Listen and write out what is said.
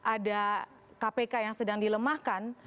ada kpk yang sedang dilemahkan